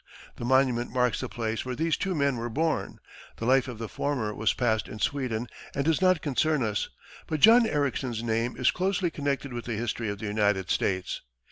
The monument marks the place where these two men were born. The life of the former was passed in Sweden and does not concern us, but John Ericsson's name is closely connected with the history of the United States.